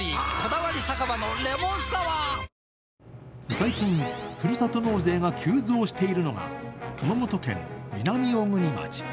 最近、ふるさと納税が急増しているのが熊本県南小国町。